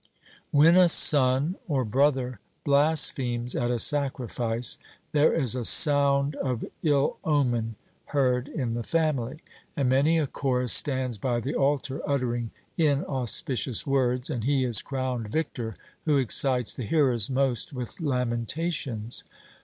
When a son or brother blasphemes at a sacrifice there is a sound of ill omen heard in the family; and many a chorus stands by the altar uttering inauspicious words, and he is crowned victor who excites the hearers most with lamentations.